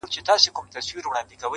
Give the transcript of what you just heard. اوس په فلسفه باندي پوهېږمه.